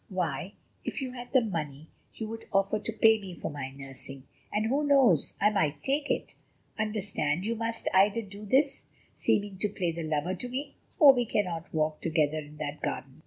"Why, if you had the money, you would offer to pay me for my nursing, and who knows, I might take it! Understand, you must either do this, seeming to play the lover to me, or we cannot walk together in that garden."